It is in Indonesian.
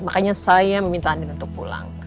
makanya saya meminta anda untuk pulang